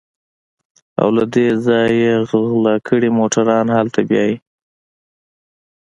او له دې ځايه غلا کړي موټران هلته بيايي.